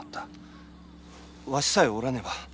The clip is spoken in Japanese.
わしさえおらねば。